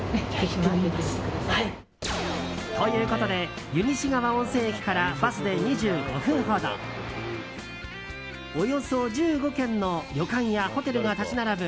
ということで湯西川温泉駅からバスで２５分ほどおよそ１５軒の旅館やホテルが立ち並ぶ